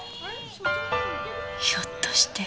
ひょっとして。